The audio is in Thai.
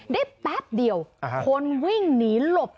แป๊บเดียวคนวิ่งหนีหลบ